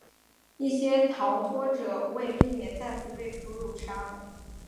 一些逃脱者为避免再次被俘自杀了。